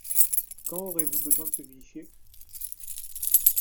Quand aurez-vous besoin de ce fichier ?